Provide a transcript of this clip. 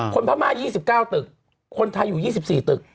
พม่า๒๙ตึกคนไทยอยู่๒๔ตึก